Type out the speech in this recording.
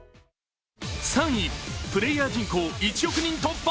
３位、プレーヤー人口１億人突破。